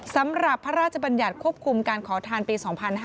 สำหรับพระราชบัญญัติควบคุมการขอทานปี๒๕๕๙